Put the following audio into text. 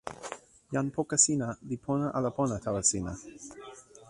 jan poka sina li pona ala pona tawa sina?